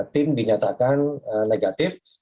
tim dinyatakan negatif